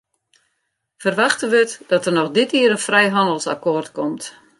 Ferwachte wurdt dat der noch dit jier in frijhannelsakkoart komt.